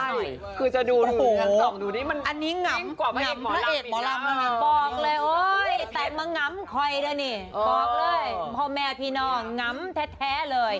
บอกเลยโอ้ยแต่งมาหง่ำใครด้วยนี่บอกเลยพ่อแม่พี่น้องหง่ำแท้แท้เลย